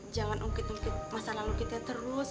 jangan ungkit ungkit masalah lo kita terus